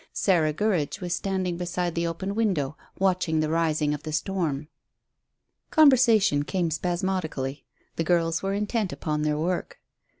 Sarah Gurridge was standing beside the open window watching the rising of the storm. Conversation came spasmodically. The girls were intent upon their work.